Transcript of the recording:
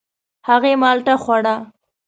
هغې مالټه خوړه.